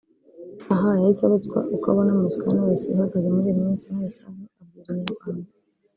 Aha yahise abazwa uko abona muzika ya Knowless ihagaze muri iyi minsi maze Safi abwira Inyarwanda